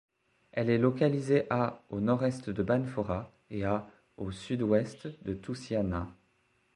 Elle est localisée à au nord-est de Banfora et à au sud-ouest de Toussiana.